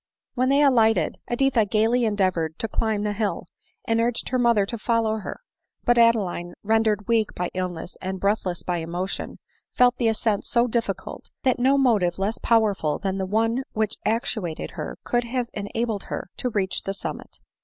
When they alighted, Editha gaily endeavored to climb the hill, and urged her mother to Mow her ; but Adeline, rendered weak by illness and breathless by emotion, felt the ascent so difficult, that no motive less powerful than the one which actuated her could have enabled her to reach the summit.